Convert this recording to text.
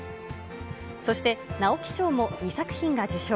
そして、直木賞も２作品が受賞。